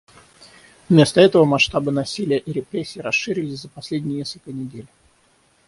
Вместо этого масштабы насилия и репрессий расшились за последние несколько недель.